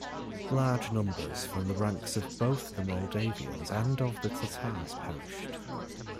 Large numbers from the ranks of both the Moldavians and of the Tatars perished.